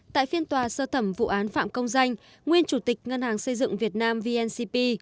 tại phiên tòa sơ thẩm vụ án phạm công danh nguyên chủ tịch ngân hàng xây dựng việt nam vncp